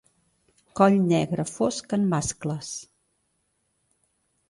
Coll negre fosc en mascles.